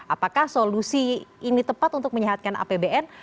apakah solusi ini tepat untuk menyehatkan apbn